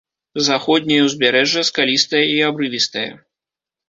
Заходняе ўзбярэжжа скалістае і абрывістае.